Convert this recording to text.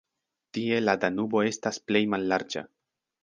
Tie la Danubo estas plej mallarĝa.